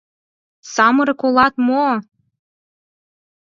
— Самырык улат мо?..